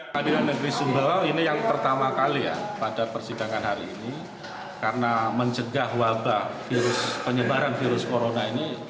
pengadilan negeri sumbawa ini yang pertama kali ya pada persidangan hari ini karena mencegah wabah virus penyebaran virus corona ini